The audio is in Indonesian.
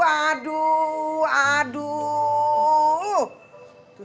aduh aduh aduh